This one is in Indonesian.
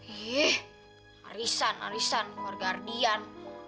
yeh arisan arisan keluarga ardian